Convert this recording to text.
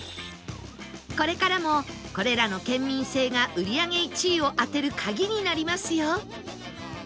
これからもこれらの県民性が売り上げ１位を当てる鍵になりますよ